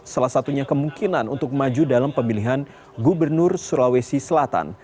salah satunya kemungkinan untuk maju dalam pemilihan gubernur sulawesi selatan